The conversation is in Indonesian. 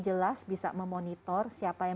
jelas bisa memonitor siapa yang